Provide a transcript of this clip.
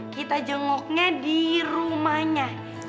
kita jengoknya di rumahnya